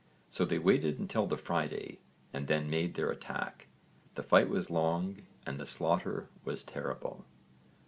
So they waited until the Friday and then made their attack. The fight was long and the slaughter was terrible.